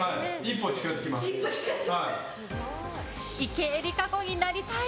池江璃花子になりたい！